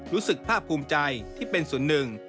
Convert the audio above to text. รู้สึกภาพภูมิใจที่เป็นส่วนหนึ่ง